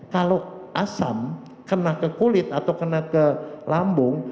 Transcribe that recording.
kalau asam kena ke kulit atau kena ke lambung